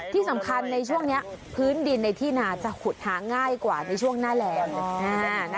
ที่สำคัญในช่วงนี้พื้นดินในที่นาจะขุดหาง่ายกว่าในช่วงหน้าแรง